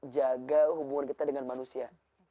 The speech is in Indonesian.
jaga hubungan kita dengan manusia